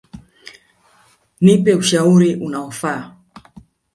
Nipe ushauri unaofa.